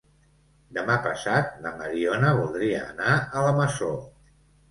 Demà passat na Mariona voldria anar a la Masó.